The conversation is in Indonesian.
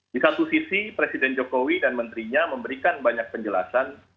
di satu sisi presiden jokowi dan menterinya memberikan banyak penjelasan